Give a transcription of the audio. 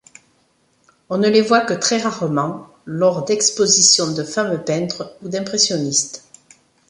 On ne les voit que très rarement lors d'expositions de femmes-peintres ou d'impressionnistes.